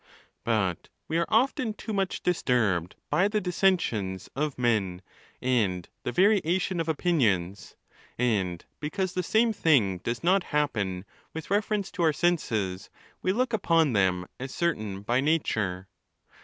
But we are often too much disturbed by the dissensions of men and the variation of opinions: And because the same thing does not happen with reference to our senses, we look upon them as certain by nature.